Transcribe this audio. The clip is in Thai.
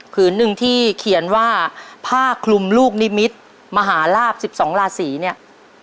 ผืนหนึ่งที่เขียนว่าผ้าคลุมลูกนิมิตรมหาลาบ๑๒ราศีเนี่ย